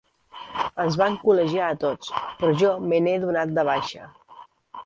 Ens van col·legiar a tots, però jo me n'he donat de baixa.